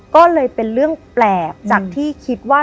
ก็เลยเป็นเรื่องแปลกจากที่คิดว่า